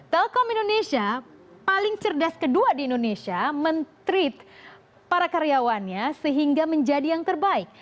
telkom indonesia paling cerdas kedua di indonesia men treat para karyawannya sehingga menjadi yang terbaik